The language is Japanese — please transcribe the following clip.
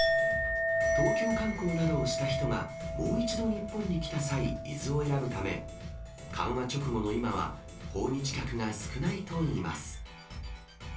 東京観光などをした人が、もう一度日本に来た際、伊豆を選ぶため、緩和直後の今は、訪日客が少ないといいます。